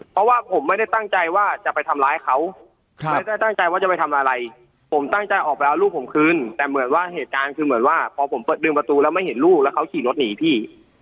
เพราะว่าผมไม่ได้ตั้งใจว่าจะไปทำร้ายเขาไม่ได้ตั้งใจว่าจะไปทำอะไรผมตั้งใจออกไปเอาลูกผมคืนแต่เหมือนว่าเหตุการณ์คือเหมือนว่าพอผมเปิดดึงประตูแล้วไม่เห็นลูกแล้วเขาขี่รถหนีพี่